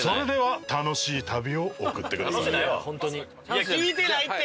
いや聞いてないって！